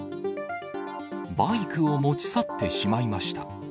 バイクを持ち去ってしまいました。